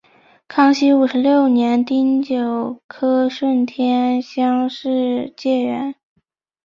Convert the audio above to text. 康熙五十六年丁酉科顺天乡试解元。